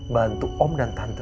bantu om dan tante